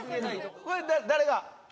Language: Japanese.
これ誰が？